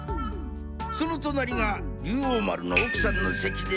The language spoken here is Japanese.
そのとなりが竜王丸のおくさんの席で。